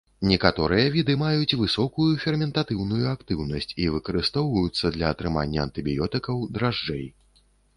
Некаторыя віды маюць высокую ферментатыўную актыўнасць і выкарыстоўваюцца для атрымання антыбіётыкаў, дражджэй.